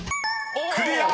［クリア！］